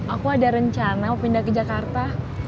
aku ada rencana mau pindah ke jakarta